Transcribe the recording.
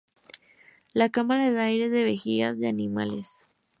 La cámara de aire se hacía de vejigas de animales.